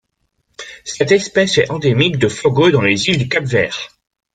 Cette espèce est endémique de Fogo dans les îles du Cap-Vert.